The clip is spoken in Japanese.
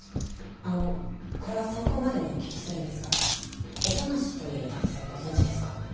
あのこれは参考までにお聞きするんですが音無という男性をご存じですか？